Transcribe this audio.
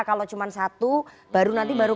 kalau cuma satu baru nanti baru